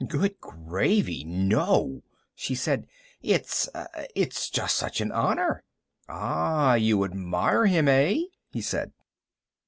"Good gravy, no!" she said. "It's it's just such an honor." "Ah, You... you admire him, eh?" he said.